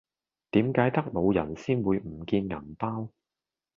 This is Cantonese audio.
點解得老人先會唔見銀包